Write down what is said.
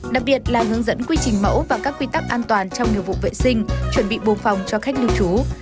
đặc biệt là hướng dẫn quy trình mẫu và các quy tắc an toàn trong nhiệm vụ vệ sinh chuẩn bị buồn phòng cho khách lưu trú